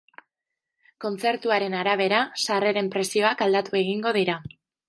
Kontzertuaren arabera, sarreren prezioak aldatu egingo dira.